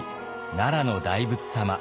奈良の大仏様。